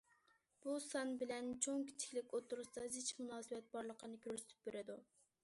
بۇ سان بىلەن چوڭ- كىچىكلىك ئوتتۇرىسىدا زىچ مۇناسىۋەت بارلىقىنى كۆرسىتىپ بېرىدۇ.